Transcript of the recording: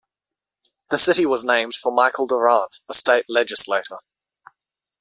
The city was named for Michael Doran, a state legislator.